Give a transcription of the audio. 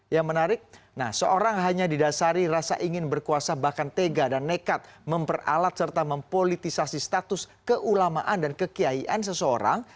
yang menarik nah seorang hanya didasari rasa ingin berkuasa bahkan tega dan nekat memperalat serta mempolitisasi status keulamaan dan kekiaian seseorang